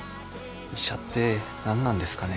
医者って何なんですかね。